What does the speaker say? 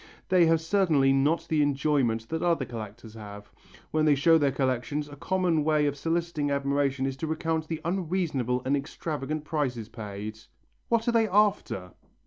They have certainly not the enjoyment that other collectors have. When they show their collections, a common way of soliciting admiration is to recount the unreasonable and extravagant prices paid. What are they after?